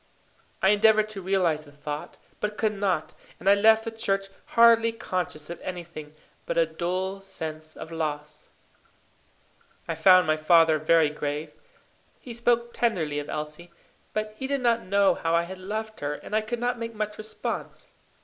I endeavoured to realize the thought, but could not, and I left the church hardly conscious of anything but a dull sense of loss. I found my father very grave. He spoke tenderly of Elsie; but he did not know how I had loved her, and I could not make much response.